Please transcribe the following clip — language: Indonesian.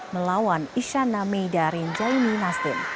melawan isyana meidarin jalini nastin